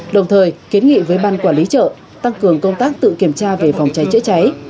đồng thời kiến nghị với ban quản lý chợ tăng cường công tác tự kiểm tra về phòng cháy chữa cháy